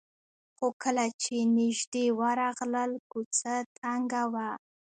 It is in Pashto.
خو کله چې نژدې ورغلل کوڅه تنګه وه.